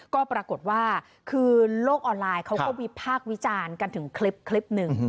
ก็ปรากฏว่าคือโลกออนไลน์เขาก็วิพากษ์วิจารณ์กันถึงคลิปหนึ่ง